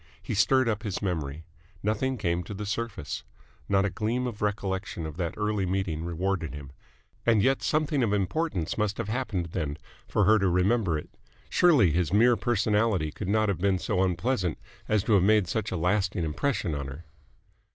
He stirred up his memory. Nothing came to the surface. Not a gleam of recollection of that early meeting rewarded him. And yet something of importance must have happened then, for her to remember it. Surely his mere personality could not have been so unpleasant as to have made such a lasting impression on her!